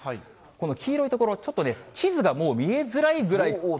この黄色い所、ちょっとね、地図がもう見えづらいぐらい。